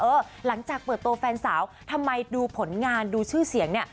หลังจากเปิดตัวแฟนสาวทำไมดูผลงานดูชื่อเสียงเนี่ย